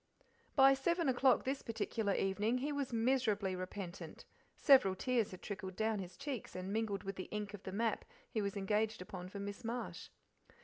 By seven o'clock this particular evening he was miserably repentant; several tears had trickled down, his cheeks and mingled with the ink of the map he was engaged upon for Miss Marsh.